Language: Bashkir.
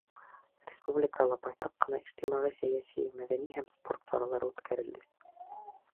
Республикала байтаҡ ҡына ижтимағи-сәйәси, мәҙәни һәм спорт саралары үткәрелде.